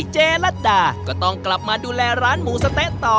เจรัตดาก็ต้องกลับมาดูแลร้านหมูสะเต๊ะต่อ